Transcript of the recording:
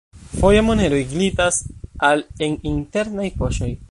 Foje, moneroj glitas al en internaj poŝoj.